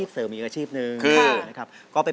เพื่อจะไปชิงรางวัลเงินล้าน